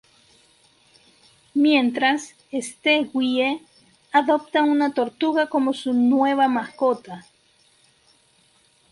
Mientras, Stewie adopta a una tortuga como su nueva mascota.